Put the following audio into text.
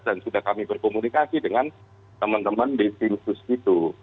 dan sudah kami berkomunikasi dengan teman teman di tim khusus itu